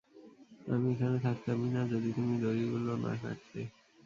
আমি এখানে থাকতামই না, যদি তুমি দড়িগুলো না কাটতে!